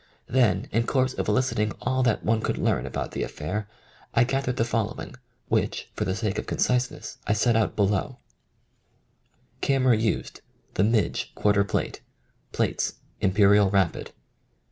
Then, in course of eliciting all that one could learn about the affair, I gathered the following, which, for the sake of conciseness, I set out below : 49 THE COMING OF THE FAIRIES Camera used: ''The Midg" quarter plate. Plates: Imperial Rapid.